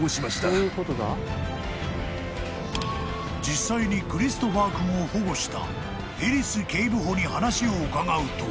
［実際にクリストファー君を保護したエリス警部補に話を伺うと］